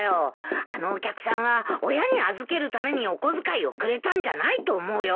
あのお客さんは親に預けるためにお小遣いをくれたんじゃないと思うよ。